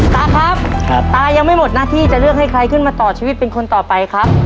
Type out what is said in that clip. ตาครับตายังไม่หมดหน้าที่จะเลือกให้ใครขึ้นมาต่อชีวิตเป็นคนต่อไปครับ